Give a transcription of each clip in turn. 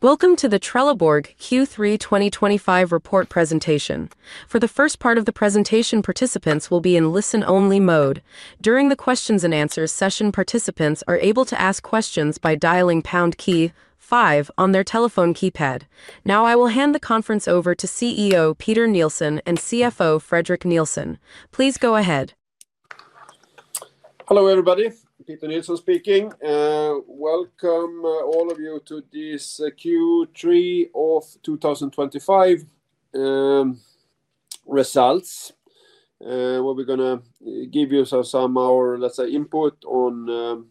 Welcome to the Trelleborg Q3 2025 report presentation. For the first part of the presentation, participants will be in listen-only mode. During the questions and answers session, participants are able to ask questions by dialing pound key five on their telephone keypad. Now, I will hand the conference over to CEO Peter Nilsson and CFO Fredrik Nilsson. Please go ahead. Hello everybody, Peter Nilsson speaking. Welcome all of you to this Q3 2025 results. We're going to give you some of our, let's say, input on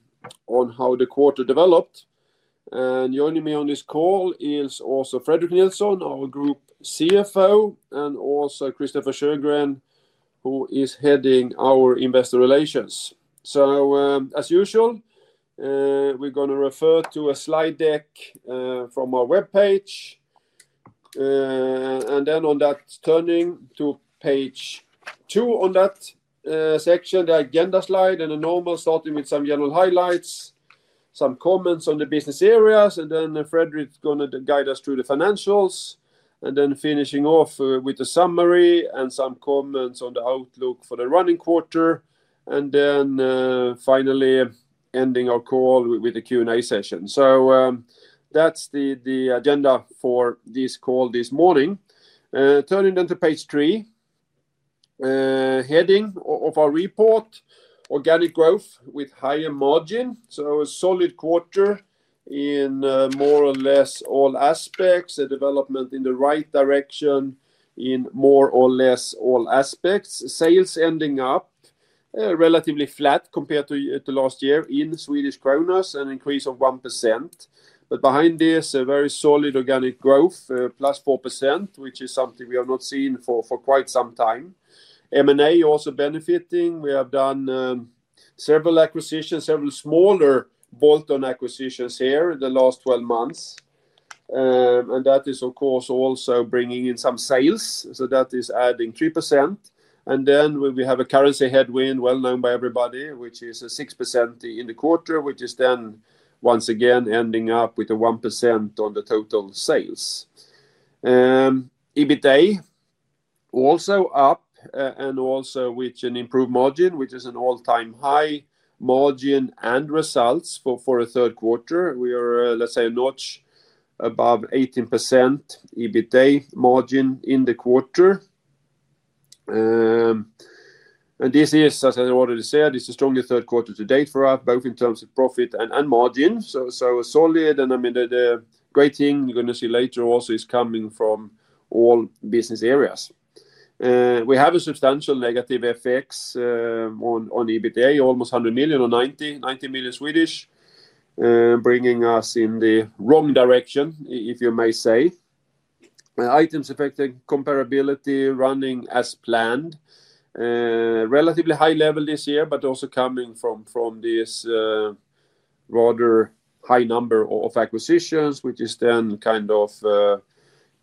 how the quarter developed. Joining me on this call is also Fredrik Nilsson, our Group CFO, and also Christofer Sjögren, who is heading our Investor Relations. As usual, we're going to refer to a slide deck from our web page. Turning to page two on that section, the agenda slide and a normal starting with some general highlights, some comments on the business areas, and then Fredrik is going to guide us through the financials, finishing off with a summary and some comments on the outlook for the running quarter. Finally, ending our call with the Q&A session. That's the agenda for this call this morning. Turning then to page three, heading of our report, organic growth with higher margin. A solid quarter in more or less all aspects, a development in the right direction in more or less all aspects. Sales ending up relatively flat compared to last year in Swedish krona, an increase of 1%. Behind this, a very solid organic growth, +4%, which is something we have not seen for quite some time. M&A also benefiting. We have done several acquisitions, several smaller bolt-on acquisitions here in the last 12 months. That is, of course, also bringing in some sales. That is adding 3%. We have a currency headwind well known by everybody, which is a 6% in the quarter, which is then once again ending up with a 1% on the total sales. EBITDA also up and also with an improved margin, which is an all-time high margin and results for a third quarter. We are, let's say, a notch above 18% EBITDA margin in the quarter. This is, as I already said, the strongest third quarter to date for us, both in terms of profit and margin. Solid. The great thing you're going to see later also is coming from all business areas. We have a substantial negative effects on EBITDA, almost 100 million or 90 million, bringing us in the wrong direction, if you may say. Items affecting comparability running as planned. Relatively high level this year, but also coming from this rather high number of acquisitions, which is then kind of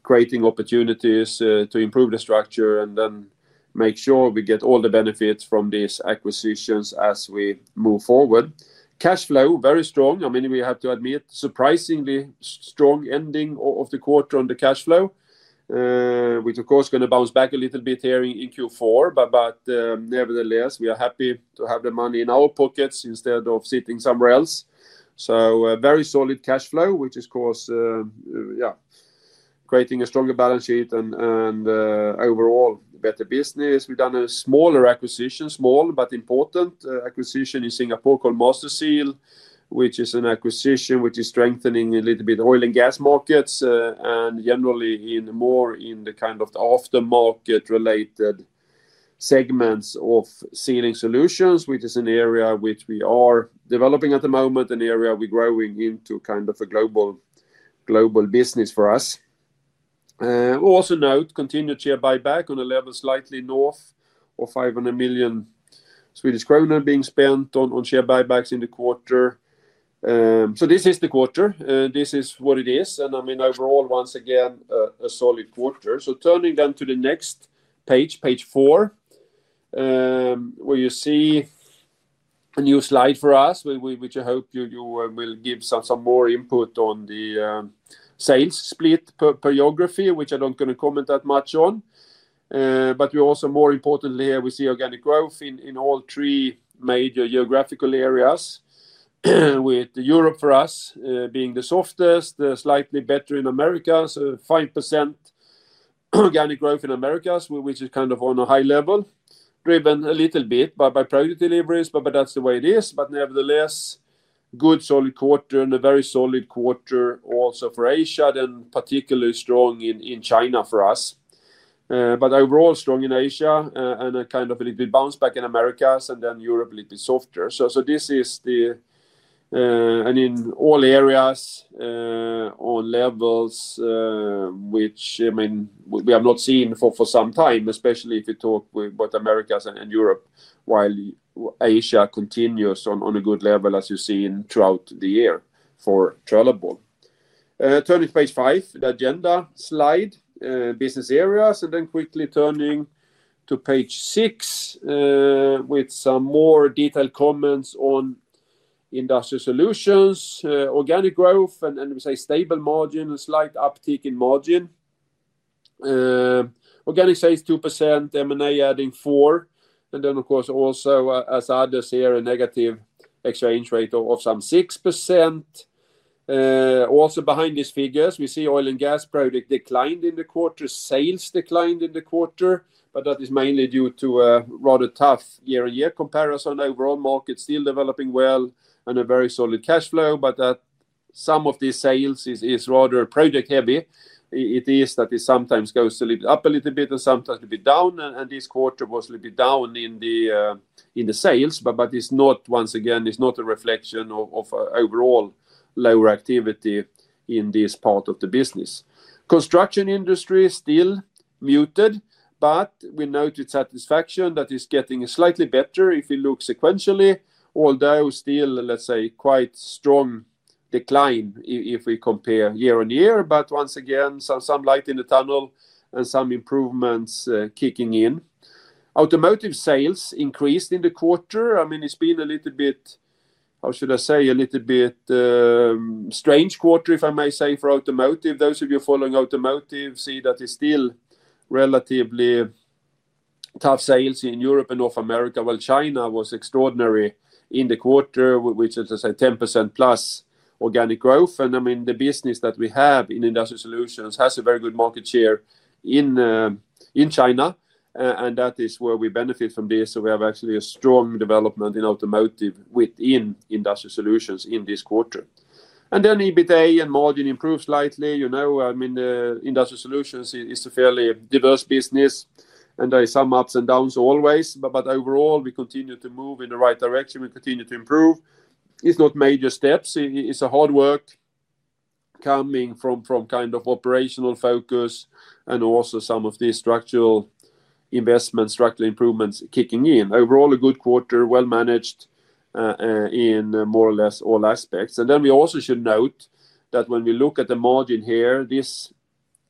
creating opportunities to improve the structure and make sure we get all the benefits from these acquisitions as we move forward. Cash flow very strong. I mean, we have to admit surprisingly strong ending of the quarter on the cash flow, which of course is going to bounce back a little bit here in Q4. Nevertheless, we are happy to have the money in our pockets instead of sitting somewhere else. Very solid cash flow, which is of course, yeah, creating a stronger balance sheet and overall better business. We've done a smaller acquisition, small but important acquisition in Singapore called Masterseal, which is an acquisition which is strengthening a little bit oil and gas markets and generally more in the kind of aftermarket related segments of Sealing Solutions, which is an area which we are developing at the moment, an area we're growing into kind of a global business for us. We'll also note continued share buyback on a level slightly north of 500 million Swedish kronor being spent on share buybacks in the quarter. This is the quarter. This is what it is. I mean, overall, once again, a solid quarter. Turning then to the next page, page four, where you see a new slide for us, which I hope you will give some more input on the sales split per geography, which I don't want to comment that much on. More importantly, here we see organic growth in all three major geographical areas, with Europe for us being the softest, slightly better in Americas. 5% organic growth in Americas, which is kind of on a high level, driven a little bit by product deliveries, but that's the way it is. Nevertheless, good solid quarter and a very solid quarter also for Asia, then particularly strong in China for us. Overall strong in Asia and a kind of a little bit bounce back in Americas and then Europe a little bit softer. In all areas on levels, which I mean, we have not seen for some time, especially if we talk about Americas and Europe while Asia continues on a good level, as you've seen throughout the year for Trelleborg. Turning to page five, the agenda slide, business areas, and then quickly turning to page six with some more detailed comments on Industrial Solutions, organic growth, and we say stable margin and slight uptick in margin. Organic sales 2%, M&A adding 4%. Also, as others here, a negative exchange rate of some 6%. Also behind these figures, we see oil and gas product declined in the quarter, sales declined in the quarter, but that is mainly due to a rather tough year-on-year comparison. Overall, market still developing well and a very solid cash flow, but that some of these sales is rather project heavy. It is that it sometimes goes up a little bit and sometimes a bit down, and this quarter was a little bit down in the sales, but it's not, once again, it's not a reflection of overall lower activity in this part of the business. Construction industry still muted, but we noted satisfaction that is getting slightly better if we look sequentially, although still, let's say, quite strong decline if we compare year-on-year. Once again, some light in the tunnel and some improvements kicking in. Automotive sales increased in the quarter. I mean, it's been a little bit, how should I say, a little bit strange quarter, if I may say, for automotive. Those of you following automotive see that it's still relatively tough sales in Europe and North America. China was extraordinary in the quarter, which is, let's say, 10%+ organic growth. I mean, the business that we have in Industrial Solutions has a very good market share in China, and that is where we benefit from this. We have actually a strong development in automotive within Industrial Solutions in this quarter. EBITDA and margin improved slightly. Industrial Solutions is a fairly diverse business, and there are some ups and downs always. Overall, we continue to move in the right direction. We continue to improve. It's not major steps. It's a hard work coming from kind of operational focus and also some of these structural investments, structural improvements kicking in. Overall, a good quarter, well managed in more or less all aspects. We also should note that when we look at the margin here,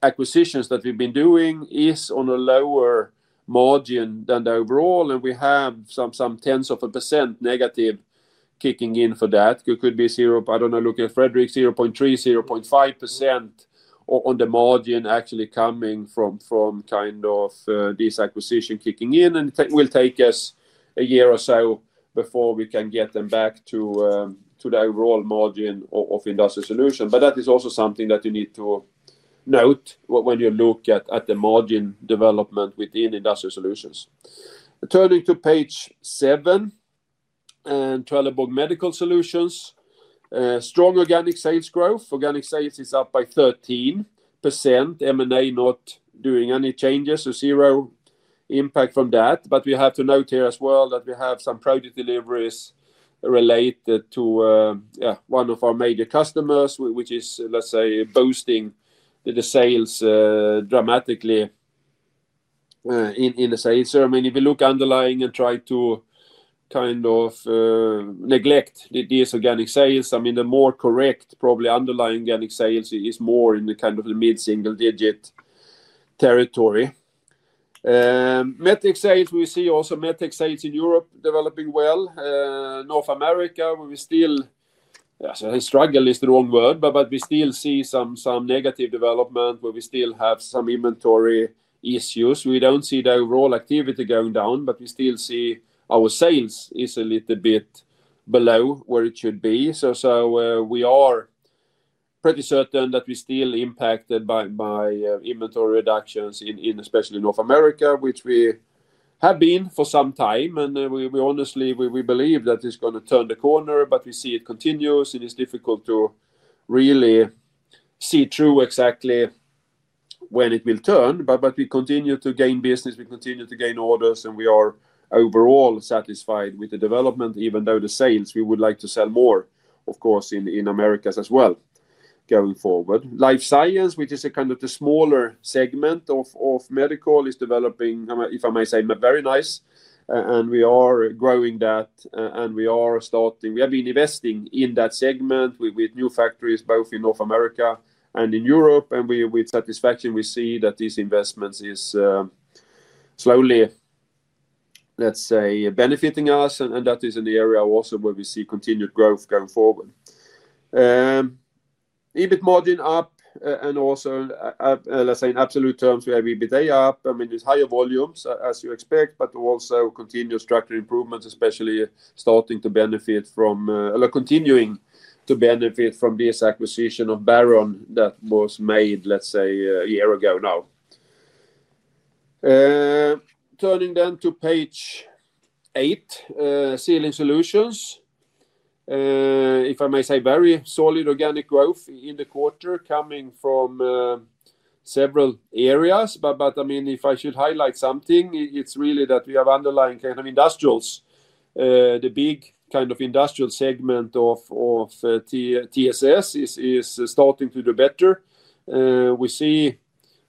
these acquisitions that we've been doing are on a lower margin than the overall, and we have some 10s of a percent negative kicking in for that. It could be zero, I don't know, looking at Fredrik, 0.3%, 0.5% on the margin actually coming from kind of these acquisitions kicking in. It will take us a year or so before we can get them back to the overall margin of Industrial Solutions. That is also something that you need to note when you look at the margin development within Industrial Solutions. Turning to page seven and Trelleborg Medical Solutions, strong organic sales growth. Organic sales is up by 13%. M&A not doing any changes, so zero impact from that. We have to note here as well that we have some product deliveries related to one of our major customers, which is, let's say, boosting the sales dramatically in the sales. If you look underlying and try to kind of neglect these organic sales, the more correct probably underlying organic sales is more in the kind of the mid-single-digit territory. Metric sales, we see also metric sales in Europe developing well. North America, where we still, yeah, struggle is the wrong word, but we still see some negative development where we still have some inventory issues. We don't see the overall activity going down, but we still see our sales is a little bit below where it should be. We are pretty certain that we're still impacted by inventory reductions in especially North America, which we have been for some time. Honestly, we believe that it's going to turn the corner, but we see it continues and it's difficult to really see through exactly when it will turn. We continue to gain business, we continue to gain orders, and we are overall satisfied with the development, even though the sales, we would like to sell more, of course, in America as well going forward. Life science, which is a kind of the smaller segment of medical, is developing, if I may say, very nice. We are growing that and we are starting, we have been investing in that segment with new factories, both in North America and in Europe. With satisfaction, we see that these investments are slowly, let's say, benefiting us. That is an area also where we see continued growth going forward. EBIT margin up and also, let's say, in absolute terms, we have EBITDA up. It's higher volumes as you expect, but also continuous structural improvements, especially starting to benefit from, or continuing to benefit from this acquisition of Baron that was made, let's say, a year ago now. Turning then to page eight, Sealing Solutions. If I may say, very solid organic growth in the quarter coming from several areas. If I should highlight something, it's really that we have underlying kind of industrials. The big kind of industrial segment of TSS is starting to do better. We see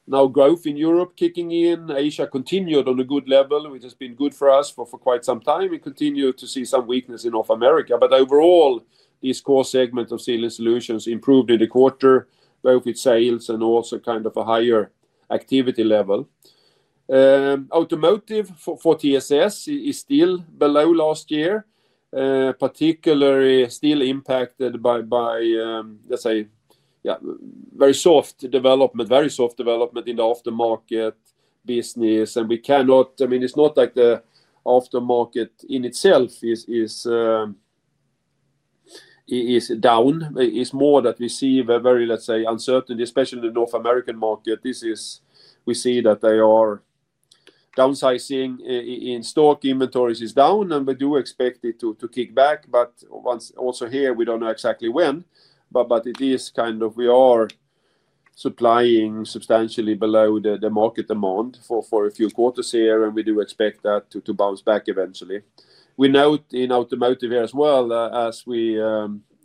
now growth in Europe kicking in. Asia continued on a good level, which has been good for us for quite some time. We continue to see some weakness in North America. Overall, this core segment of Sealing Solutions improved in the quarter, both with sales and also kind of a higher activity level. Automotive for TSS is still below last year, particularly still impacted by, let's say, very soft development, very soft development in the aftermarket business. We cannot, I mean, it's not like the aftermarket in itself is down. It's more that we see a very, let's say, uncertainty, especially in the North American market. We see that they are downsizing in stock, inventories are down, and we do expect it to kick back. Once also here, we don't know exactly when. It is kind of, we are supplying substantially below the market demand for a few quarters here, and we do expect that to bounce back eventually. We note in automotive here as well, as we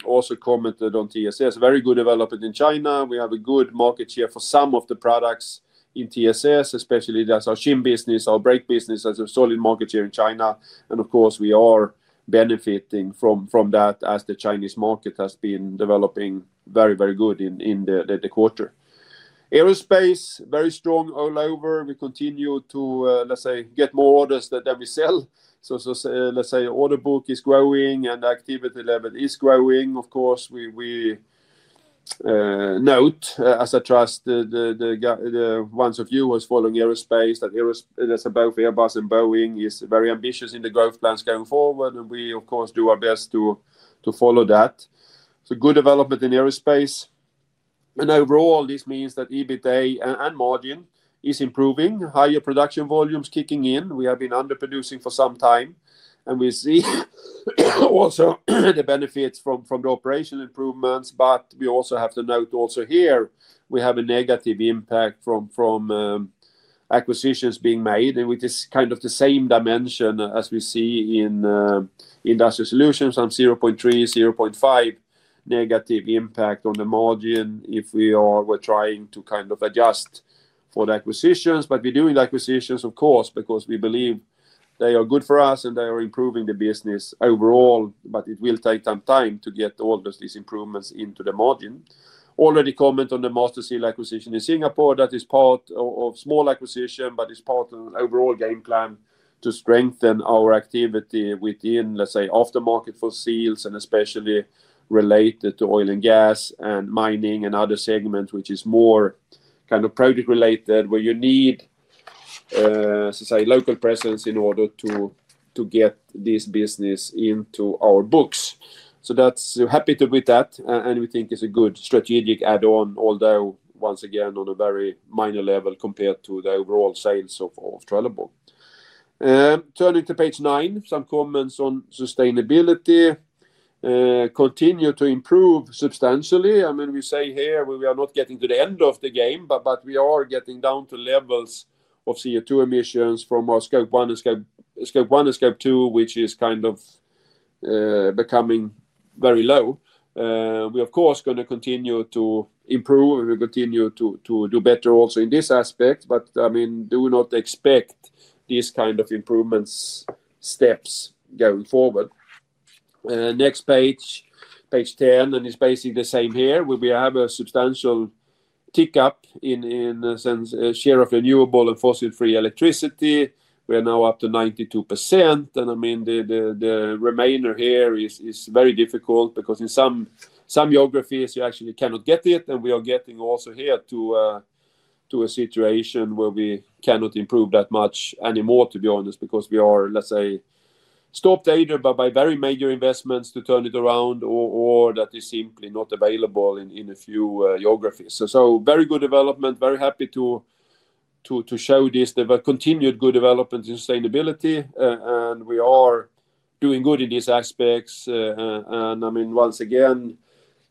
also commented on TSS, very good development in China. We have a good market share for some of the products in TSS, especially that's our shim business, our brake business has a solid market share in China. Of course, we are benefiting from that as the Chinese market has been developing very, very good in the quarter. Aerospace, very strong all over. We continue to, let's say, get more orders than we sell. Order book is growing and the activity level is growing. Of course, we note, as I trust the ones of you who are following aerospace, that both Airbus and Boeing are very ambitious in the growth plans going forward. We, of course, do our best to follow that. Good development in aerospace. Overall, this means that EBITDA and margin is improving. Higher production volumes kicking in. We have been underproducing for some time. We see also the benefits from the operational improvements. We also have to note also here, we have a negative impact from acquisitions being made, which is kind of the same dimension as we see in Industrial Solutions. Some 0.3%, 0.5% negative impact on the margin if we are trying to kind of adjust for the acquisitions. We're doing the acquisitions, of course, because we believe they are good for us and they are improving the business overall. It will take some time to get all of these improvements into the margin. Already comment on the Masterseal acquisition in Singapore. That is part of a small acquisition, but it's part of an overall game plan to strengthen our activity within, let's say, aftermarket for seals and especially related to oil and gas and mining and other segments, which is more kind of project-related, where you need, let's say, local presence in order to get this business into our books. That's happy to be with that. We think it's a good strategic add-on, although once again on a very minor level compared to the overall sales of Trelleborg. Turning to page nine, some comments on sustainability. Continue to improve substantially. I mean, we say here we are not getting to the end of the game, but we are getting down to levels of CO2 emissions from our scope 1 and scope 2, which is kind of becoming very low. We, of course, are going to continue to improve. We continue to do better also in this aspect. I mean, do not expect these kind of improvement steps going forward. Next page, page 10, and it's basically the same here. We have a substantial tick up in a sense of share of renewable and fossil-free electricity. We are now up to 92%. I mean, the remainder here is very difficult because in some geographies you actually cannot get it. We are getting also here to a situation where we cannot improve that much anymore, to be honest, because we are, let's say, stopped either by very major investments to turn it around or that is simply not available in a few geographies. Very good development. Very happy to show this. There were continued good developments in sustainability. We are doing good in these aspects. I mean, once again,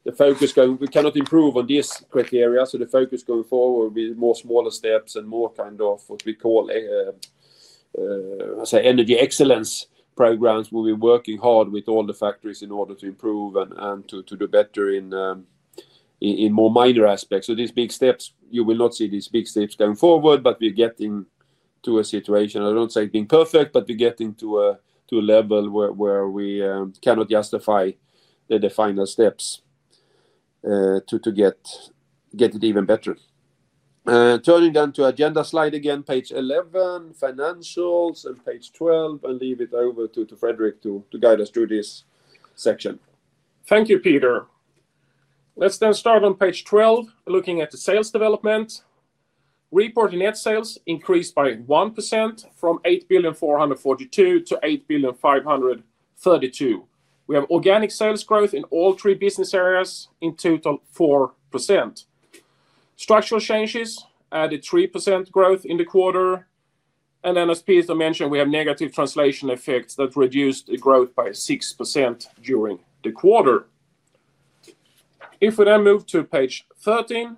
the focus going, we cannot improve on this criteria. The focus going forward will be more smaller steps and more kind of what we call, I say, energy excellence programs where we're working hard with all the factories in order to improve and to do better in more minor aspects. These big steps, you will not see these big steps going forward, but we're getting to a situation, I don't say being perfect, but we're getting to a level where we cannot justify the final steps to get it even better. Turning then to agenda slide again, page 11, financials, and page 12, and leave it over to Fredrik to guide us through this section. Thank you, Peter. Let's then start on page 12, looking at the sales development. Reporting net sales increased by 1% from 8.442 billion to 8.532 billion. We have organic sales growth in all three business areas in total 4%. Structural changes added 3% growth in the quarter. As Peter mentioned, we have negative translation effects that reduced the growth by 6% during the quarter. If we then move to page 13,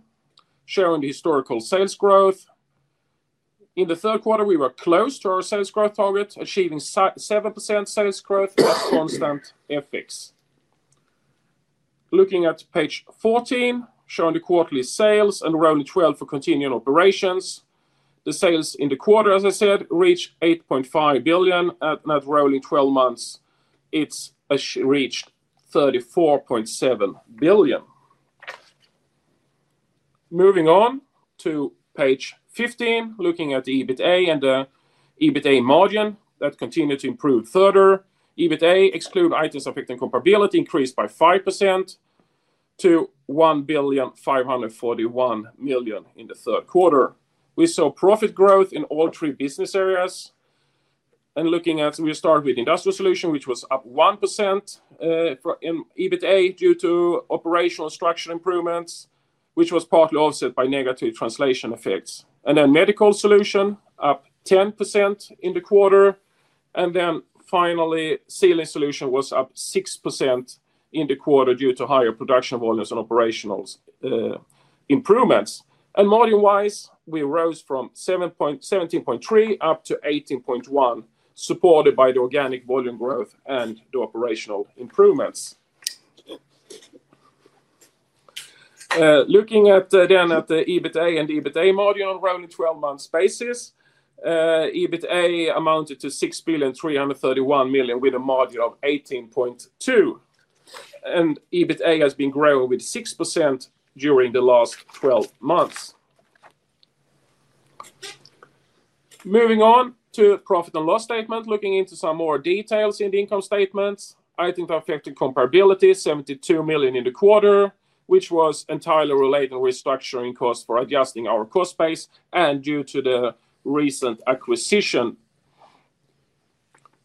showing the historical sales growth. In the third quarter, we were close to our sales growth target, achieving 7% sales growth with a constant FX. Looking at page 14, showing the quarterly sales and rolling 12 for continuing operations. The sales in the quarter, as I said, reached 8.5 billion. At rolling 12 months, it reached 34.7 billion. Moving on to page 15, looking at the EBITDA and the EBITDA margin that continued to improve further. EBITDA excluding items affecting comparability increased by 5% to 1.541 billion in the third quarter. We saw profit growth in all three business areas. Looking at Industrial Solutions, which was up 1% in EBITDA due to operational structural improvements, which was partly offset by negative translation effects. Medical Solutions was up 10% in the quarter. Finally, Sealing Solutions was up 6% in the quarter due to higher production volumes and operational improvements. Margin-wise, we rose from 17.3% up to 18.1%, supported by the organic volume growth and the operational improvements. Looking at the EBITDA and EBITDA margin on a rolling 12-month basis, EBITDA amounted to 6.331 billion with a margin of 18.2%. EBITDA has been growing with 6% during the last 12 months. Moving on to the profit and loss statement, looking into some more details in the income statements. Items affecting comparability, 72 million in the quarter, which was entirely related to restructuring costs for adjusting our cost base and due to the recent acquisition.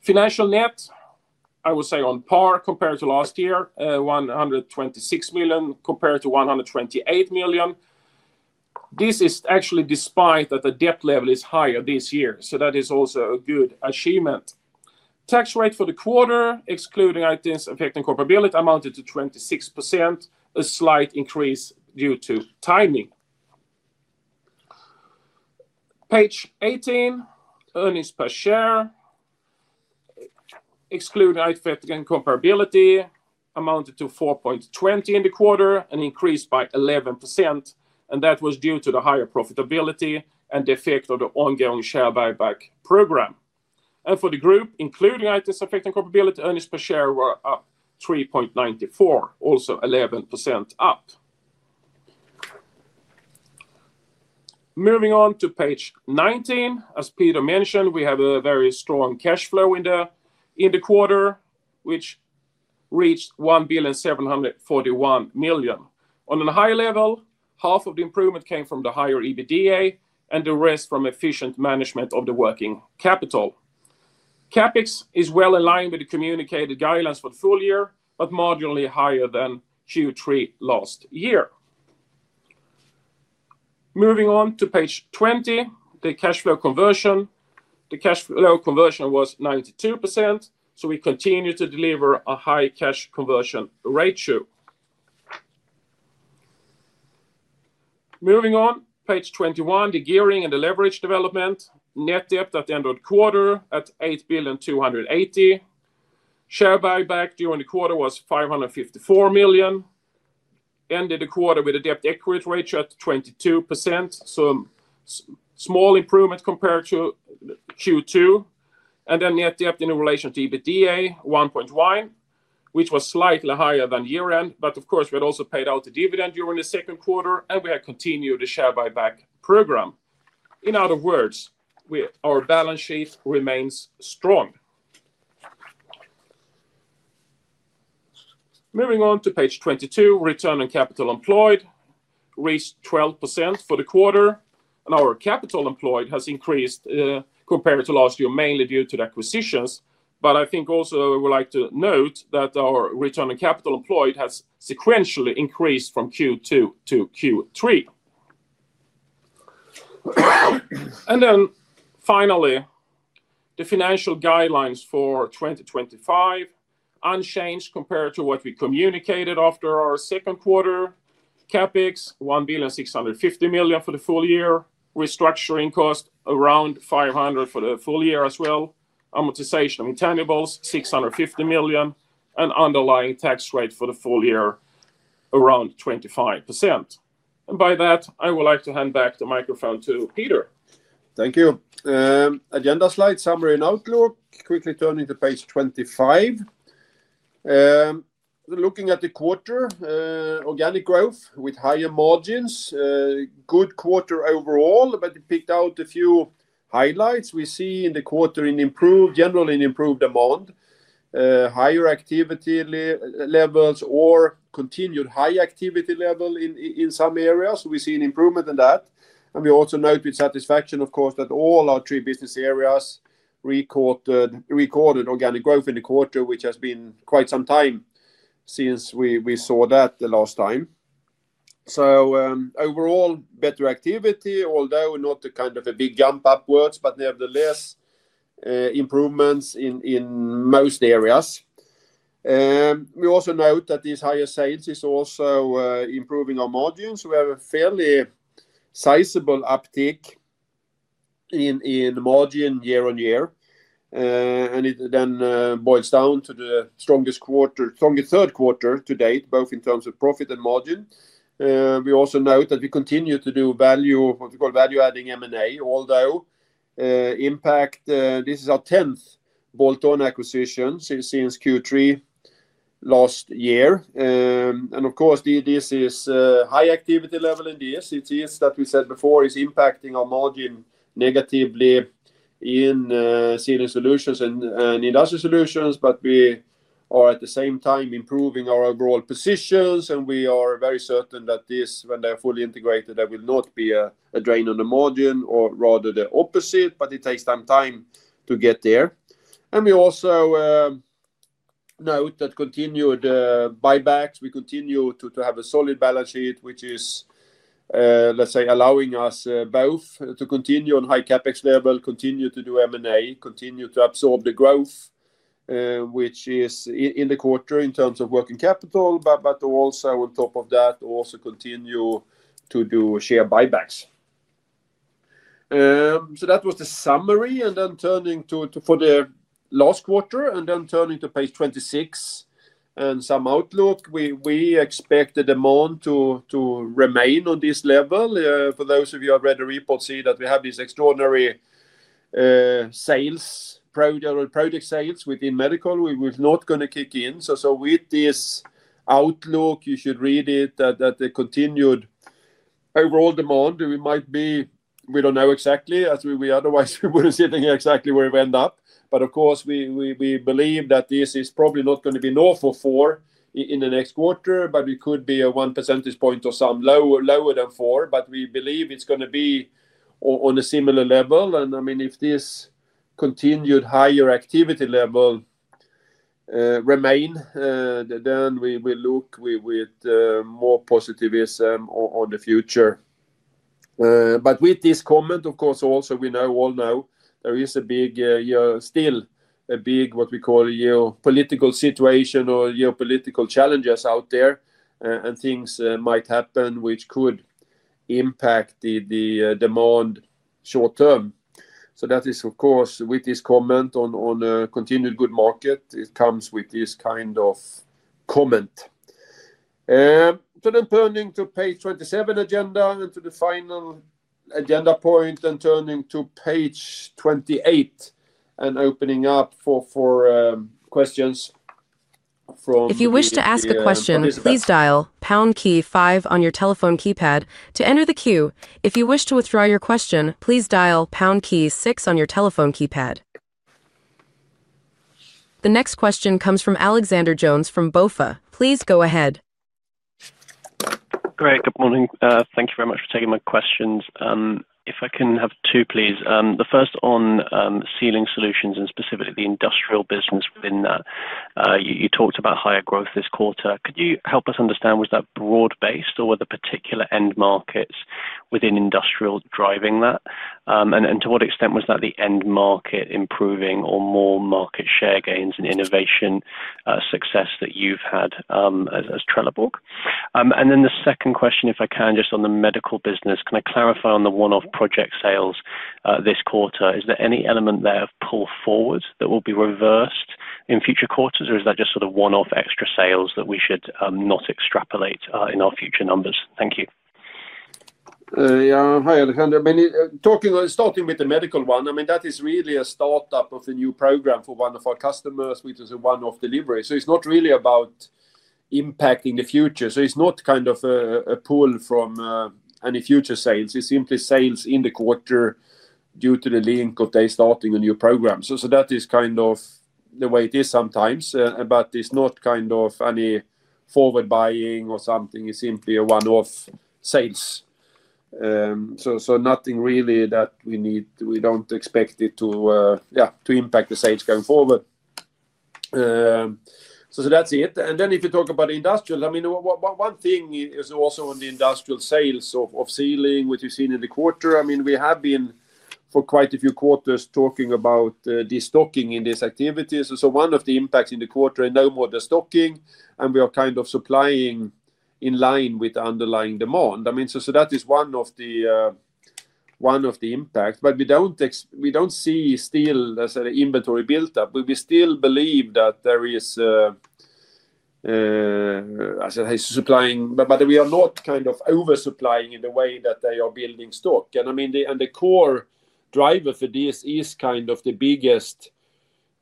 Financial net, I would say on par compared to last year, 126 million compared to 128 million. This is actually despite that the debt level is higher this year. That is also a good achievement. Tax rate for the quarter, excluding items affecting comparability, amounted to 26%, a slight increase due to timing. Page 18, earnings per share, excluding items affecting comparability, amounted to 4.20 in the quarter, an increase by 11%. That was due to the higher profitability and the effect of the ongoing share buyback program. For the group, including items affecting comparability, earnings per share were up 3.94, also 11% up. Moving on to page 19. As Peter mentioned, we have a very strong cash flow in the quarter, which reached 1,741 million. On a high level, half of the improvement came from the higher EBITDA and the rest from efficient management of the working capital. CapEx is well aligned with the communicated guidelines for the full year, but marginally higher than Q3 last year. Moving on to page 20, the cash flow conversion was 92%. We continue to deliver a high cash conversion ratio. Moving on, page 21, the gearing and the leverage development. Net debt at the end of the quarter at 8,280 million. Share buyback during the quarter was 554 million. Ended the quarter with a debt equity ratio at 22%. Small improvement compared to Q2. Net debt in relation to EBITDA 1.1, which was slightly higher than year-end. Of course, we had also paid out the dividend during the second quarter and we had continued the share buyback program. In other words, our balance sheet remains strong. Moving on to page 22, return on capital employed reached 12% for the quarter. Our capital employed has increased compared to last year, mainly due to the acquisitions. I would also like to note that our return on capital employed has sequentially increased from Q2 to Q3. Finally, the financial guidelines for 2025, unchanged compared to what we communicated after our second quarter. CapEx, 1,650 million for the full year. Restructuring cost, around 500 million for the full year as well. Amortization of intangibles, 650 million. Underlying tax rate for the full year, around 25%. By that, I would like to hand back the microphone to Peter. Thank you. Agenda slide, summary and outlook. Quickly turning to page 25. Looking at the quarter, organic growth with higher margins, good quarter overall, but we picked out a few highlights. We see in the quarter an improved, generally an improved demand, higher activity levels, or continued high activity level in some areas. We see an improvement in that. We also note with satisfaction, of course, that all our three business areas recorded organic growth in the quarter, which has been quite some time since we saw that the last time. Overall, better activity, although not a kind of a big jump upwards, nevertheless, improvements in most areas. We also note that these higher sales are also improving our margins. We have a fairly sizable uptick in margin year-on-year, and it then boils down to the strongest third quarter to date, both in terms of profit and margin. We also note that we continue to do what we call value-adding M&A, although, in impact, this is our 10th bolt-on acquisition since Q3 last year. Of course, this is a high activity level. It is, as we said before, impacting our margin negatively in Sealing Solutions and Industrial Solutions, but we are at the same time improving our overall positions. We are very certain that this, when they are fully integrated, there will not be a drain on the margin or rather the opposite. It takes some time to get there. We also note that with continued buybacks, we continue to have a solid balance sheet, which is, let's say, allowing us both to continue on a high CapEx level, continue to do M&A, continue to absorb the growth, which is in the quarter in terms of working capital, and also, on top of that, continue to do share buybacks. That was the summary. Turning to the last quarter, and then turning to page 26 and some outlook, we expect the demand to remain on this level. For those of you who have read the report, you see that we have these extraordinary project sales within Medical Solutions. They are not going to kick in. With this outlook, you should read it that the continued overall demand, we might be, we do not know exactly, as we otherwise would not sit here exactly where we end up, but we believe that this is probably not going to be north of 4% in the next quarter. We could be one percentage point or some lower than 4%, but we believe it is going to be on a similar level. If this continued higher activity level remains, then we will look with more positivism on the future. With this comment, of course, we also know now there is still a big, what we call a geopolitical situation or geopolitical challenges out there, and things might happen which could impact the demand short term. That is, of course, with this comment on a continued good market, it comes with this kind of comment. Turning to page 27 agenda and to the final agenda point, and turning to page 28 and opening up for questions. If you wish to ask a question, please dial pound key five on your telephone keypad to enter the queue. If you wish to withdraw your question, please dial pound key six on your telephone keypad. The next question comes from Alexander Jones from BofA. Please go ahead. Great. Good morning. Thank you very much for taking my questions. If I can have two, please. The first on Sealing Solutions and specifically the industrial business within that. You talked about higher growth this quarter. Could you help us understand, was that broad-based or were there particular end markets within industrial driving that? To what extent was that the end market improving or more market share gains and innovation success that you've had as Trelleborg? The second question, if I can, just on the medical business, can I clarify on the one-off project sales this quarter? Is there any element there of pull forward that will be reversed in future quarters or is that just sort of one-off extra sales that we should not extrapolate in our future numbers? Thank you. Yeah. Hi, Alexander. Talking, starting with the medical one, that is really a startup of a new program for one of our customers with a one-off delivery. It's not really about impacting the future. It's not kind of a pull from any future sales. It's simply sales in the quarter due to the link of they're starting a new program. That is kind of the way it is sometimes. It's not any forward buying or something. It's simply a one-off sales. Nothing really that we need. We don't expect it to impact the sales going forward. That's it. If you talk about industrial, one thing is also on the industrial sales of sealing, which we've seen in the quarter. We have been for quite a few quarters talking about the stocking in these activities. One of the impacts in the quarter is no more the stocking. We are supplying in line with the underlying demand. That is one of the impacts. We don't see still, let's say, the inventory build-up. We still believe that there is, I say, supplying, but we are not oversupplying in the way that they are building stock. The core driver for this is kind of the biggest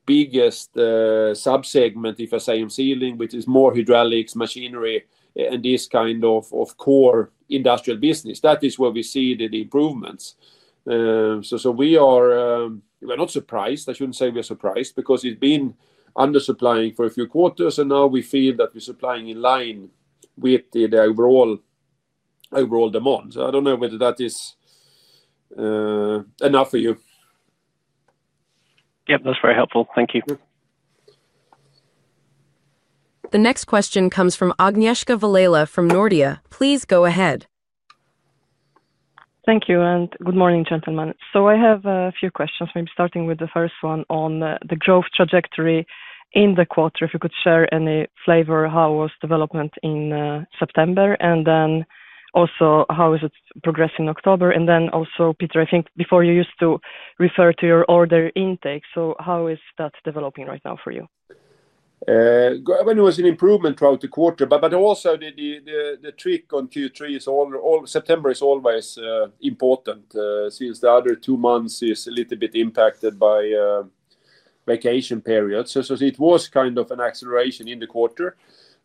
subsegment, if I say, in sealing, which is more hydraulics, machinery, and this kind of core industrial business. That is where we see the improvements. We are not surprised. I shouldn't say we are surprised because it's been undersupplying for a few quarters. Now we feel that we're supplying in line with the overall demand. I don't know whether that is enough for you. Yeah, that's very helpful. Thank you. The next question comes from Agnieszka Vilela from Nordea. Please go ahead. Thank you. Good morning, gentlemen. I have a few questions, maybe starting with the first one on the growth trajectory in the quarter. If you could share any flavor, how was development in September? How is it progressing in October? Peter, I think before you used to refer to your order intake. How is that developing right now for you? I mean, it was an improvement throughout the quarter, but also the trick on Q3. All September is always important since the other two months are a little bit impacted by vacation periods. It was kind of an acceleration in the quarter,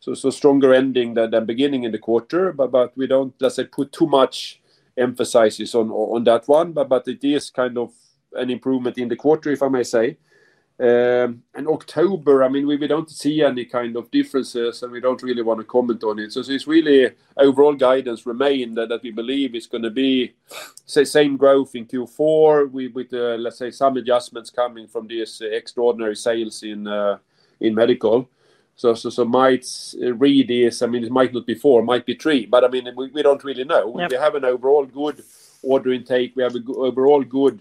a stronger ending than the beginning in the quarter. We don't, let's say, put too much emphasis on that one, but it is kind of an improvement in the quarter, if I may say. October, I mean, we don't see any kind of differences, and we don't really want to comment on it. It's really overall guidance remained that we believe it's going to be, say, same growth in Q4 with, let's say, some adjustments coming from these extraordinary sales in medical. Might read this, I mean, it might not be four, it might be three. I mean, we don't really know. We have an overall good order intake. We have an overall good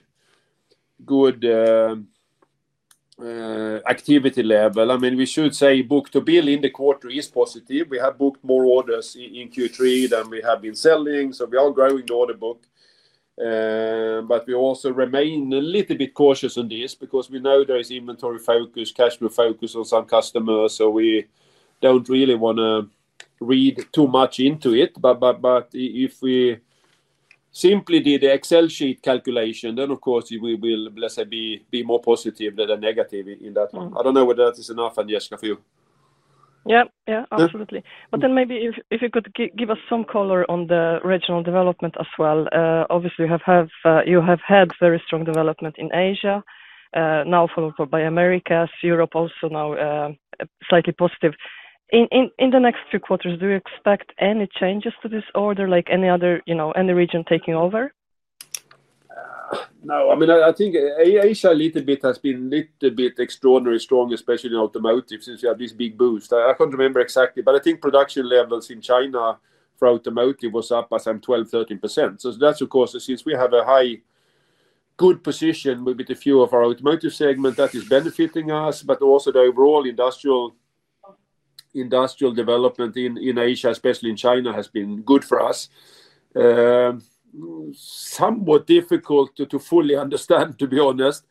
activity level. We should say book-to-bill in the quarter is positive. We have booked more orders in Q3 than we have been selling. We are growing the order book. We also remain a little bit cautious on this because we know there is inventory focus, cash flow focus on some customers. We don't really want to read too much into it. If we simply did the Excel sheet calculation, then of course, we will, let's say, be more positive than negative in that one. I don't know whether that is enough, Agnieszka, for you. Absolutely. Maybe if you could give us some color on the regional development as well. Obviously, you have had very strong development in Asia, now followed by Americas, Europe also now slightly positive. In the next few quarters, do you expect any changes to this order, like any other, you know, any region taking over? No. I mean, I think Asia has been a little bit extraordinarily strong, especially in automotive since we had this big boost. I can't remember exactly, but I think production levels in China for automotive were up, as I'm 12%, 13%. That's, of course, since we have a high, good position with a few of our automotive segments that is benefiting us. Also, the overall industrial development in Asia, especially in China, has been good for us. Somewhat difficult to fully understand, to be honest.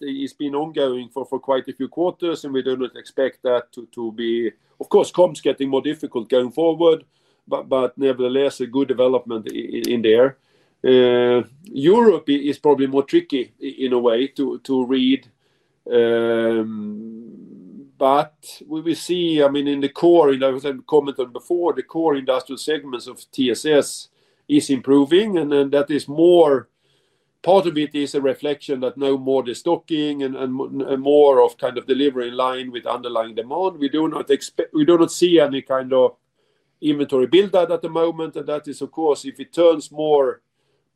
It's been ongoing for quite a few quarters, and we do not expect that to be, of course, comms getting more difficult going forward. Nevertheless, a good development in there. Europe is probably more tricky in a way to read. We will see, I mean, in the core, as I was commenting before, the core industrial segments of TSS is improving. That is more, part of it is a reflection that no more the stocking and more of kind of delivery in line with underlying demand. We do not see any kind of inventory build-up at the moment. That is, of course, if it turns more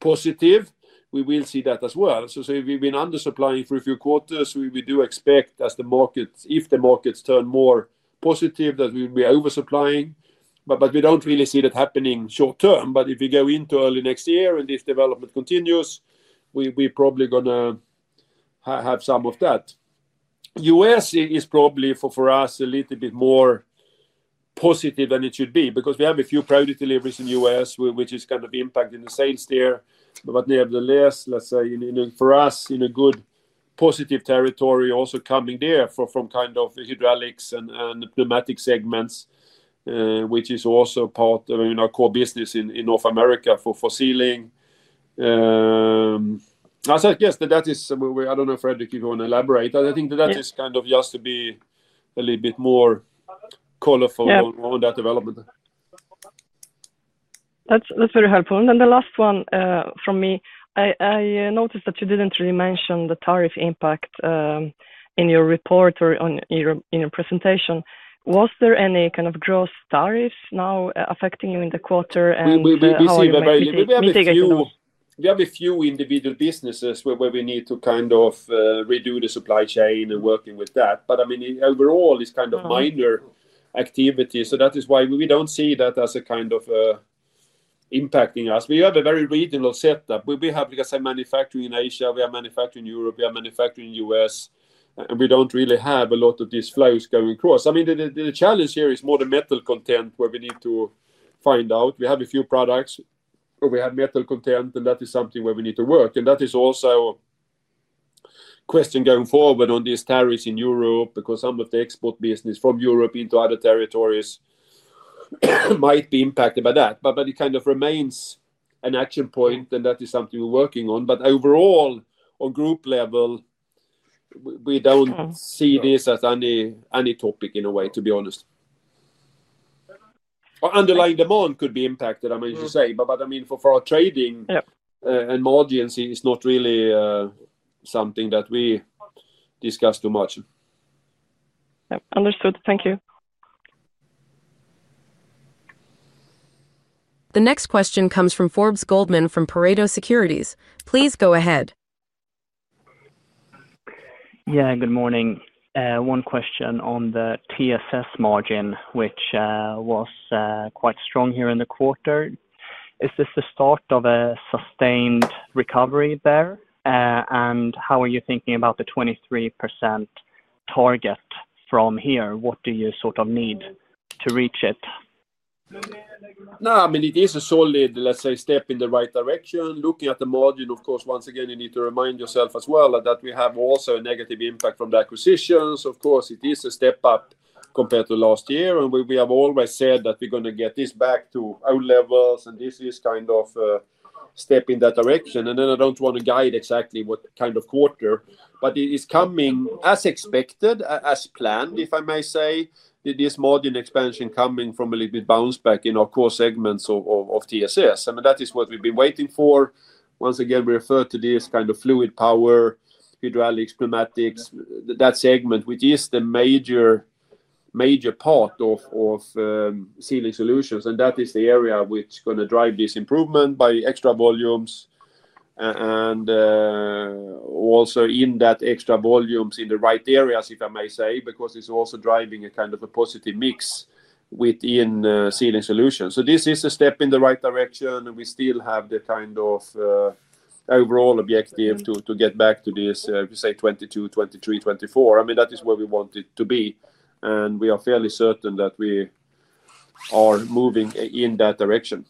positive, we will see that as well. We've been undersupplying for a few quarters. We do expect as the markets, if the markets turn more positive, that we will be oversupplying. We don't really see that happening short term. If we go into early next year and this development continues, we're probably going to have some of that. The U.S. is probably for us a little bit more positive than it should be because we have a few product deliveries in the U.S., which is kind of impacting the sales there. Nevertheless, let's say for us in a good positive territory also coming there from kind of hydraulics and pneumatic segments, which is also part of our core business in North America for sealing. I said, yes, that is, I don't know, Fredrik, if you want to elaborate. I think that that is kind of just to be a little bit more colorful on that development. That's very helpful. The last one from me, I noticed that you didn't really mention the tariff impact in your report or in your presentation. Was there any kind of gross tariffs now affecting you in the quarter? We have a few individual businesses where we need to kind of redo the supply chain and working with that. Overall, it's kind of minor activity. That is why we don't see that as kind of impacting us. We have a very regional setup. We have, like I said, manufacturing in Asia. We have manufacturing in Europe. We have manufacturing in the U.S. We don't really have a lot of these flows going across. The challenge here is more the metal content where we need to find out. We have a few products where we have metal content, and that is something where we need to work. That is also a question going forward on these tariffs in Europe because some of the export business from Europe into other territories might be impacted by that. It kind of remains an action point, and that is something we're working on. Overall, on group level, we don't see this as any topic in a way, to be honest. Underlying demand could be impacted, as you say. For our trading and margins, it's not really something that we discuss too much. Yeah, understood. Thank you. The next question comes from Forbes Goldman from Pareto Securities. Please go ahead. Good morning. One question on the TSS margin, which was quite strong here in the quarter. Is this the start of a sustained recovery there? How are you thinking about the 23% target from here? What do you sort of need to reach it? No, I mean, it is a solid, let's say, step in the right direction. Looking at the margin, of course, once again, you need to remind yourself as well that we have also a negative impact from the acquisitions. Of course, it is a step up compared to last year. We have always said that we're going to get this back to our levels, and this is kind of a step in that direction. I don't want to guide exactly what kind of quarter, but it is coming as expected, as planned, if I may say, this margin expansion coming from a little bit bounce back in our core segments of Sealing Solutions. I mean, that is what we've been waiting for. Once again, we refer to this kind of fluid power, hydraulics, pneumatics, that segment, which is the major part of Sealing Solutions. That is the area which is going to drive this improvement by extra volumes. Also, in that extra volumes in the right areas, if I may say, because it's also driving a kind of a positive mix within Sealing Solutions. This is a step in the right direction. We still have the kind of overall objective to get back to this, say, 22%, 23%, 24%. I mean, that is where we want it to be. We are fairly certain that we are moving in that direction.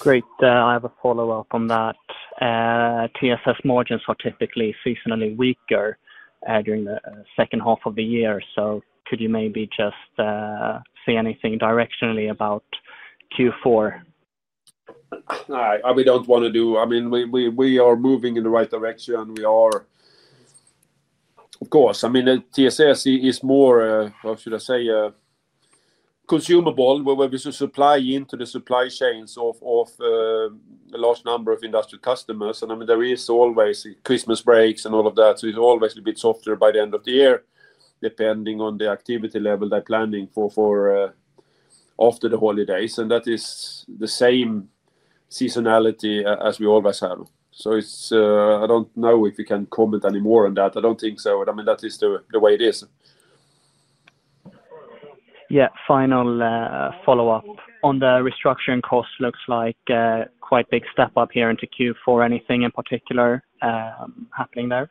Great. I have a follow-up on that. TSS margins are typically seasonally weaker during the second half of the year. Could you maybe just say anything directionally about Q4? No, we don't want to do, I mean, we are moving in the right direction. We are, of course, I mean, TSS is more, how should I say, consumable where we supply into the supply chains of a large number of industrial customers. There is always Christmas breaks and all of that. It's always a little bit softer by the end of the year, depending on the activity level they're planning for after the holidays. That is the same seasonality as we always have. I don't know if we can comment any more on that. I don't think so. That is the way it is. Yeah. Final follow-up on the restructuring costs, looks like a quite big step up here into Q4. Anything in particular happening there?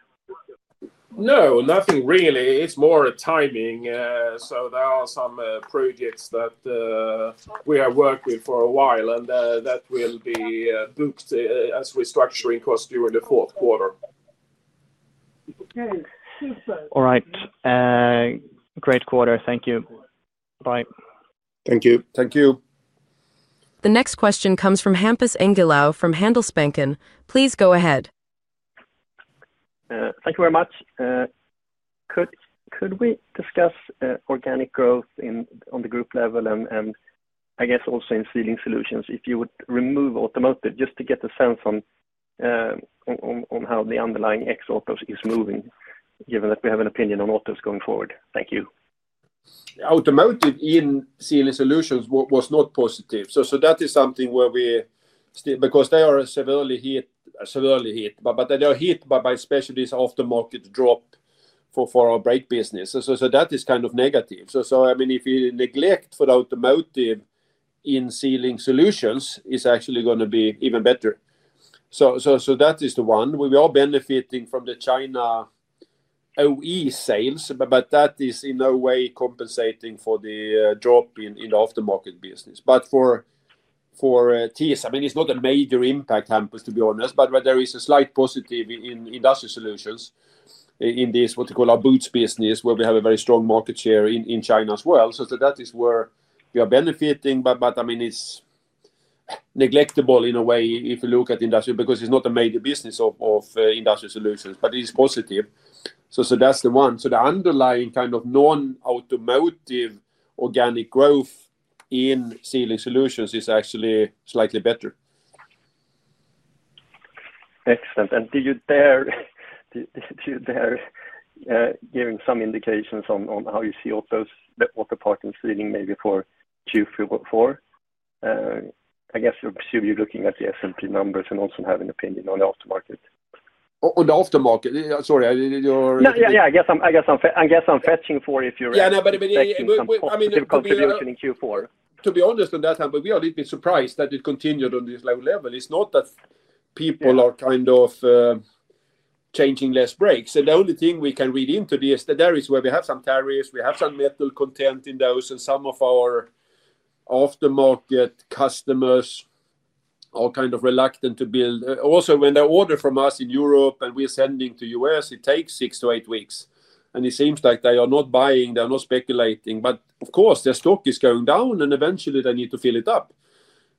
No, nothing really. It's more timing. There are some projects that we have worked with for a while, and that will be booked as restructuring costs during the fourth quarter. All right. Great quarter. Thank you. Bye. Thank you. Thank you. The next question comes from Hampus Engellau from Handelsbanken. Please go ahead. Thank you very much. Could we discuss organic growth on the group level, and I guess also in Sealing Solutions, if you would remove automotive, just to get a sense on how the underlying ex-autos is moving given that we have an opinion on autos going forward? Thank you. Automotive in Sealing Solutions was not positive. That is something where we still, because they are severely hit, but they are hit by especially aftermarket drop for our brake business. That is kind of negative. If we neglect for the automotive in Sealing Solutions, it's actually going to be even better. That is the one. We are benefiting from the China OE sales, but that is in no way compensating for the drop in the aftermarket business. For TESA, it's not a major impact, Hampus, to be honest, but where there is a slight positive in Industrial Solutions in this, what you call our boots business, where we have a very strong market share in China as well. That is where we are benefiting. It's neglectable in a way if you look at Industrial because it's not a major business of Industrial Solutions, but it is positive. That's the one. The underlying kind of non-automotive organic growth in Sealing Solutions is actually slightly better. Excellent. Do you dare giving some indications on how you see auto parts and sealing maybe for Q4? I guess you're looking at the S&P numbers and also have an opinion on the aftermarket. On the aftermarket, sorry. I guess I'm fetching for it if you're ready. Yeah, no, I mean. If you're looking in Q4. To be honest, at that time, we are a little bit surprised that it continued on this low level. It's not that people are kind of changing less brakes. The only thing we can read into this is that where we have some tariffs, we have some metal content in those, and some of our aftermarket customers are kind of reluctant to build. Also, when they order from us in Europe and we're sending to the U.S., it takes six to eight weeks. It seems like they are not buying, they're not speculating. Of course, their stock is going down and eventually they need to fill it up.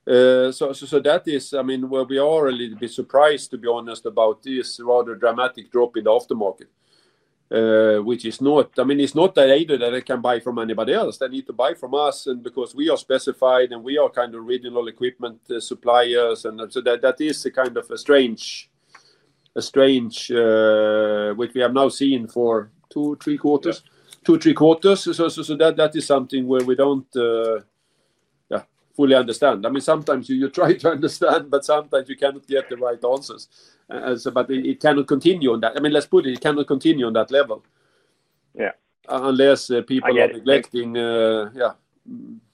That is where we are a little bit surprised, to be honest, about this rather dramatic drop in the aftermarket, which is not, I mean, it's not that either that they can buy from anybody else. They need to buy from us because we are specified and we are kind of regional equipment suppliers. That is kind of strange, which we have now seen for two, three quarters. Two, three quarters. That is something where we don't fully understand. Sometimes you try to understand, but sometimes you cannot get the right answers. It cannot continue on that, I mean, let's put it, it cannot continue on that level unless people are neglecting,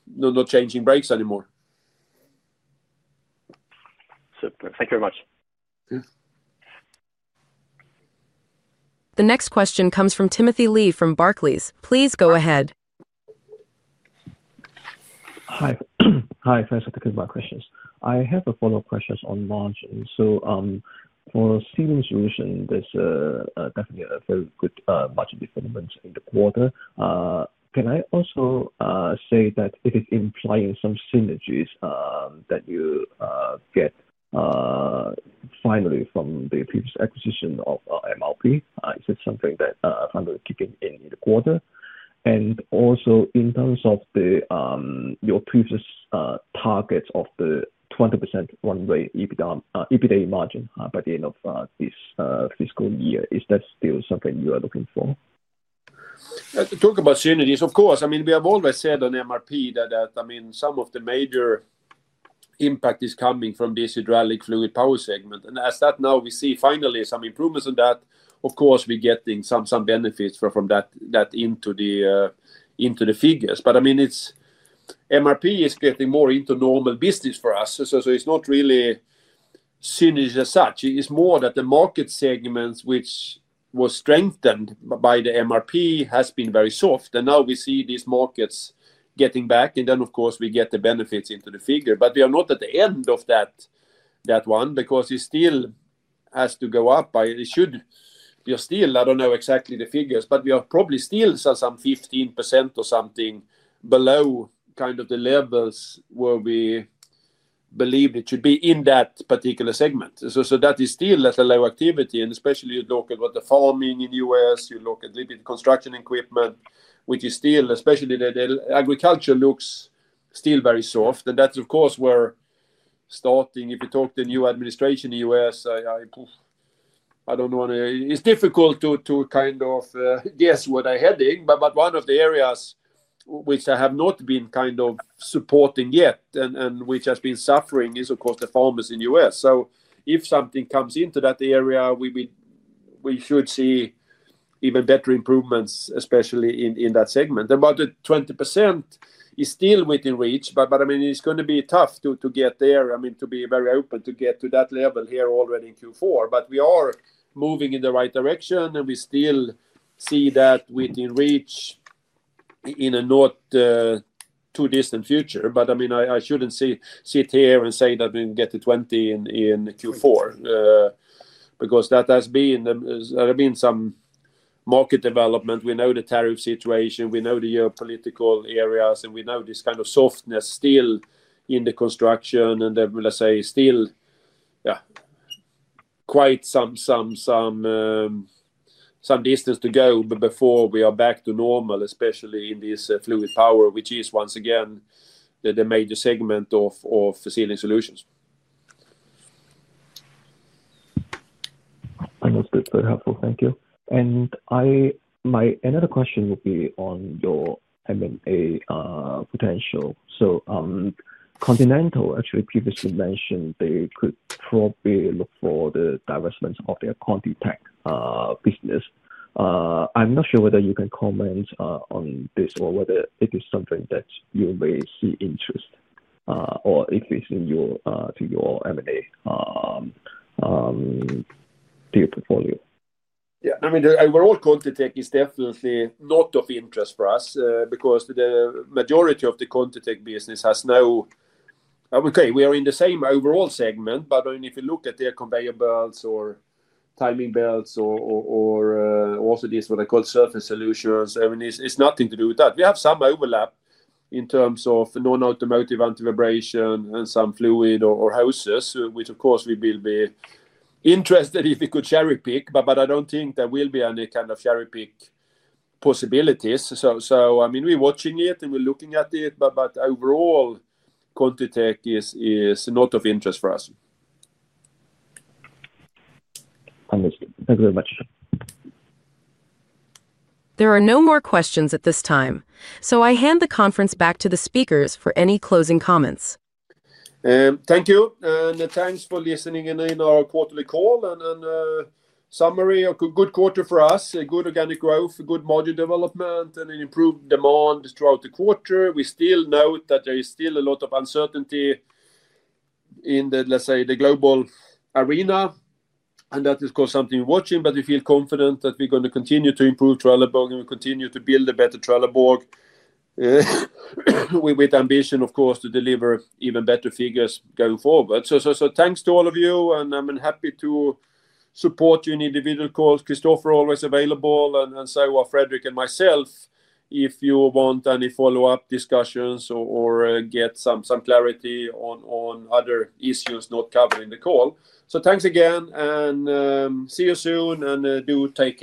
not changing brakes anymore. Super. Thank you very much. The next question comes from Timothy Lee from Barclays. Please go ahead. Hi, thanks for taking my questions. I have a follow-up question on launch. For Sealing Solutions, there's definitely a very good market development in the quarter. Can I also say that it is implying some synergies that you get finally from the previous acquisition of MRP? Is it something that is finally kicking in in the quarter? Also, in terms of your previous targets of the 20% one-way EBITDA margin by the end of this fiscal year, is that still something you are looking for? Talk about synergies, of course. We have always said on MRP that some of the major impact is coming from this hydraulic fluid power segment. As we now see finally some improvements on that, we're getting some benefits from that into the figures. MRP is getting more into normal business for us. It's not really synergy as such. It's more that the market segments, which were strengthened by the MRP, have been very soft. Now we see these markets getting back, and we get the benefits into the figure. We are not at the end of that one because it still has to go up. We are still, I don't know exactly the figures, but we are probably still some 15% or something below the levels where we believe it should be in that particular segment. That is still at a low activity. Especially if you look at what the farming in the U.S., you look at a little bit of construction equipment, which is still, especially the agriculture looks still very soft. That's where, starting, if you talk to the new administration in the U.S., I don't know. It's difficult to guess where they're heading. One of the areas which I have not been supporting yet and which has been suffering is, of course, the farmers in the U.S. If something comes into that area, we should see even better improvements, especially in that segment. About the 20% is still within reach, but it's going to be tough to get there. To be very open, to get to that level here already in Q4. We are moving in the right direction, and we still see that within reach in a not too distant future. I shouldn't sit here and say that we can get to 20% in Q4 because there have been some market development. We know the tariff situation. We know the geopolitical areas, and we know this kind of softness still in the construction and, let's say, still quite some distance to go before we are back to normal, especially in this fluid power, which is once again the major segment of Sealing Solutions. Understood. Very helpful. Thank you. My another question would be on your M&A potential. Continental actually previously mentioned they could probably look for the divestment of their QuantiTech business. I'm not sure whether you can comment on this or whether it is something that you may see interest or if it's in your M&A to your portfolio. Yeah. I mean, the overall QuantiTech is definitely not of interest for us because the majority of the QuantiTech business has no, I would say, we are in the same overall segment. If you look at their conveyor belts or timing belts or also this, what I call surface solutions, it's nothing to do with that. We have some overlap in terms of non-automotive antivibration and some fluid or hoses, which, of course, we will be interested if we could cherry-pick. I don't think there will be any kind of cherry-pick possibilities. I mean, we're watching it and we're looking at it. Overall, QuantiTech is not of interest for us. Understood. Thank you very much. There are no more questions at this time. I hand the conference back to the speakers for any closing comments. Thank you. Thanks for listening in our quarterly call and summary. A good quarter for us, a good organic growth, a good margin development, and an improved demand throughout the quarter. We still note that there is still a lot of uncertainty in the, let's say, the global arena. That is, of course, something we're watching. We feel confident that we're going to continue to improve Trelleborg and we continue to build a better Trelleborg with ambition, of course, to deliver even better figures going forward. Thanks to all of you. I'm happy to support you in individual calls. Christofer is always available, and so are Fredrik and myself if you want any follow-up discussions or get some clarity on other issues not covered in the call. Thanks again. See you soon and do take.